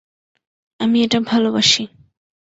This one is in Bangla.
আমি এটা ভালোবাসি!